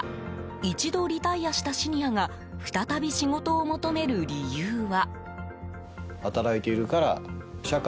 一度リタイアしたシニアが再び仕事を求める理由は。